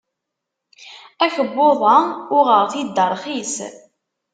Akebbuḍ-a uɣeɣ-t-id rxis.